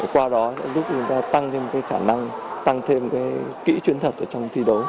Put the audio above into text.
qua đó giúp người ta tăng thêm khả năng tăng thêm kỹ chuyên thuật trong thi đấu